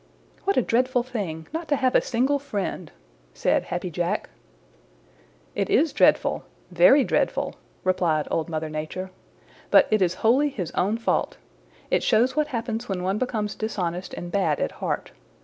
"What a dreadful thing not to have a single friend," said Happy Jack. "It is dreadful, very dreadful," replied Old Mother Nature. "But it is wholly his own fault. It shows what happens when one becomes dishonest and bad at heart.